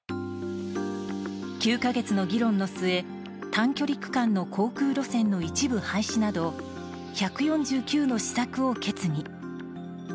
９か月の議論の末、短距離区間の航空路線の一部廃止など１４９の施策を決議。